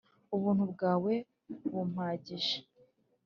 ubuntu bwawe bumpagije